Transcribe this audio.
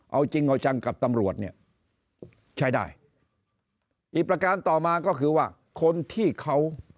เอาจริงเอาจังกับตำรวจเนี่ยใช้ได้อีกประการต่อมาก็คือว่าคนที่เขา